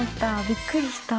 びっくりした。